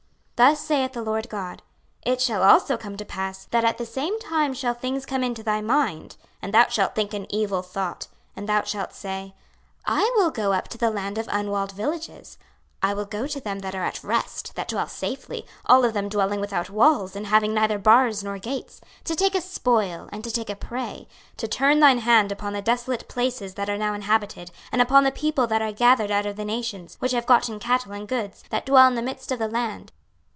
26:038:010 Thus saith the Lord GOD; It shall also come to pass, that at the same time shall things come into thy mind, and thou shalt think an evil thought: 26:038:011 And thou shalt say, I will go up to the land of unwalled villages; I will go to them that are at rest, that dwell safely, all of them dwelling without walls, and having neither bars nor gates, 26:038:012 To take a spoil, and to take a prey; to turn thine hand upon the desolate places that are now inhabited, and upon the people that are gathered out of the nations, which have gotten cattle and goods, that dwell in the midst of the land.